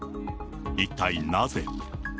一体なぜ。